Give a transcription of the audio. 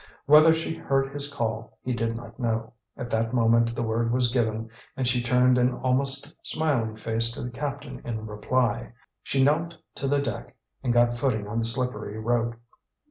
Whether she heard his call he did not know. At that moment the word was given, and she turned an almost smiling face to the captain in reply. She knelt to the deck and got footing on the slippery rope.